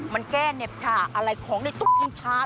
มันแก้เหน็บฉ่าอะไรของในตุ๊กกีชา